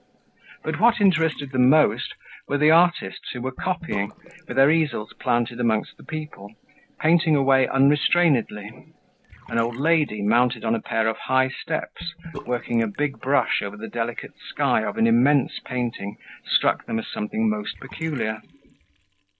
But what interested them most were the artists who were copying, with their easels planted amongst the people, painting away unrestrainedly; an old lady, mounted on a pair of high steps, working a big brush over the delicate sky of an immense painting, struck them as something most peculiar.